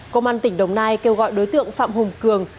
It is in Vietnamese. công an tỉnh đồng nai kêu gọi đối tượng phạm hùng cường